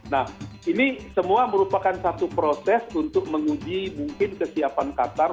nah ini semua merupakan satu proses untuk menguji mungkin kesiapan qatar menjadi tuan tuan